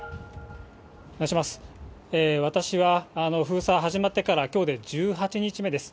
私は、封鎖始まってからきょうで１８日目です。